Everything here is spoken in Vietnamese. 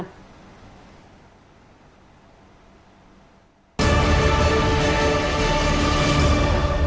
kinh tế phương nam